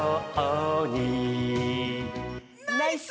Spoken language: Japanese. ナイス！